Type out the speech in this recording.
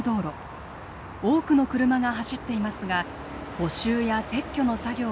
多くの車が走っていますが補修や撤去の作業は行われていません。